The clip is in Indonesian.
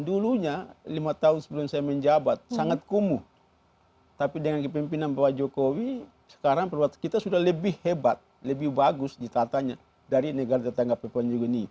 dulunya lima tahun sebelum saya menjabat sangat kumuh tapi dengan kepimpinan bapak jokowi sekarang kita sudah lebih hebat lebih bagus ditatanya dari negara tetangga pepean juga ini